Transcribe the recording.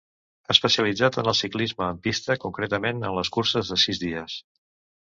Especialitzat en el ciclisme en pista concretament en les curses de sis dies.